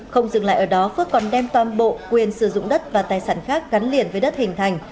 không dừng lại ở đó phước còn đem toàn bộ quyền sử dụng đất và tài sản khác gắn liền với đất hình thành